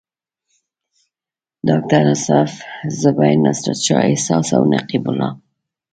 ډاکټر اصف زبیر، نصرت شاه احساس او نقیب الله.